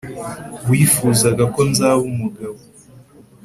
wifuzaga ko nzaba umugabo